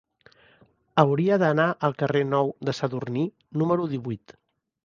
Hauria d'anar al carrer Nou de Sadurní número divuit.